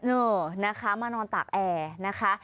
เออนะคะมานอนตากแอร์นะคะ